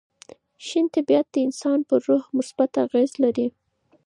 شین طبیعت د انسان پر روح مثبت اغېزه لري.